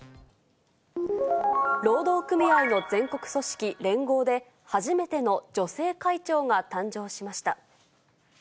労働組合の全国組織、連合で、初めての女性会長が誕生しました。